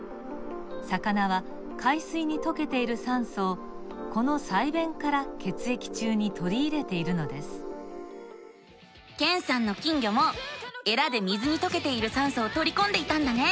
魚は海水にとけている酸素をこの鰓弁から血液中にとりいれているのですけんさんの金魚もえらで水にとけている酸素をとりこんでいたんだね。